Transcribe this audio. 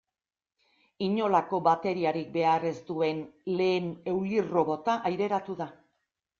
Inolako bateriarik behar ez duen lehen eulirrobota aireratu da.